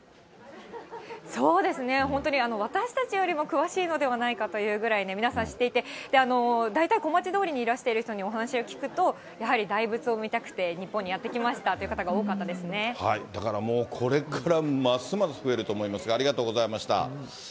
そうですね、本当に私たちよりも詳しいのではないかというぐらいね、皆さん知っていて、大体小町通りにいらしている方にお話を聞くと、やはり大仏を見たくて日本にやって来ましたという方が多かったでだからもう、これからますます増えると思いますが、ありがとうございました。